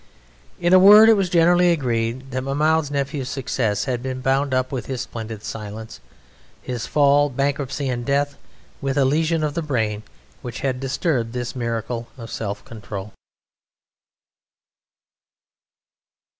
In a word, it was generally agreed that Mahmoud's Nephew's success had been bound up with his splendid silence, his fall, bankruptcy, and death, with a lesion of the brain which had disturbed this miracle of self control.